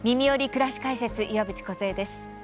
くらし解説」岩渕梢です。